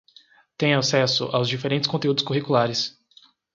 têm acesso aos diferentes conteúdos curriculares